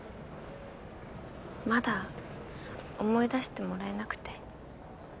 まだ思い出してもらえなくて。